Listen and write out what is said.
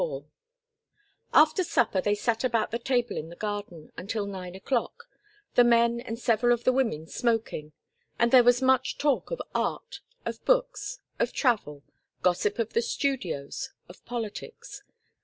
XXIV After supper they sat about the table in the garden until nine o'clock, the men and several of the women smoking; and there was much talk of art, of books, of travel, gossip of the studios, of politics.